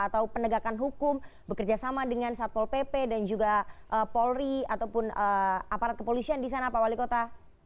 atau penegakan hukum bekerjasama dengan satpol pp dan juga polri ataupun aparat kepolisian di sana pak wali kota